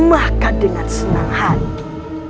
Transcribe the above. maka dengan senang hati